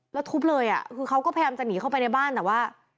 แล้วทุบเลยอ่ะคือเขาก็พยายามจะหนีเข้าไปในบ้านแต่ว่า